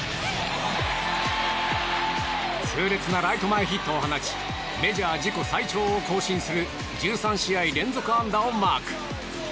痛烈なライト前ヒットを放ちメジャー自己最長を更新する１３試合連続安打をマーク。